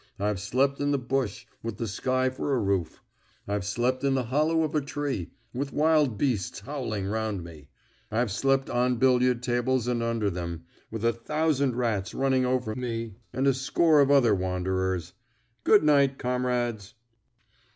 I've slept in the bush, with the sky for a roof; I've slept in the hollow of a tree, with wild beasts howling round me; I've slept on billiard tables and under them, with a thousand rats running over me and a score of other wanderers. Good night, comrades."